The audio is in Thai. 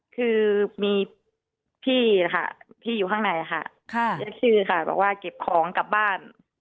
คือมีพี่ค่ะพี่อยู่ข้างในค่ะเรียกชื่อค่ะบอกว่าเก็บของกลับบ้าน